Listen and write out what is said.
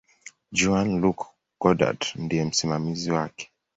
Jean-Luc Godard ndiye msimamizi wake.